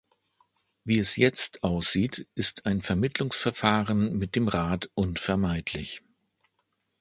Wie es jetzt aussieht, ist ein Vermittlungsverfahren mit dem Rat unvermeidlich.